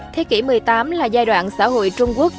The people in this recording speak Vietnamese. thế kỷ một mươi tám là giai đoạn xã hội trung quốc